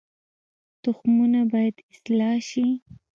تخمونه باید اصلاح شي